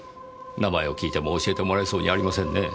名前を訊いても教えてもらえそうにありませんね。